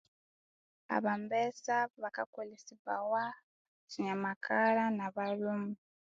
Abambesa bakakolisibawa kyinyamakara nabalhume